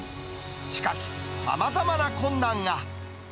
しかし、さまざまな困難が。